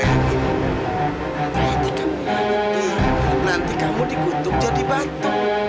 nanti nanti kamu dikutuk jadi batu